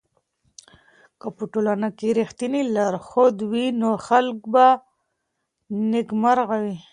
که په ټولنه کي رښتينی لارښود وي نو خلګ به نېکمرغه وي.